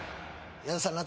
矢田さん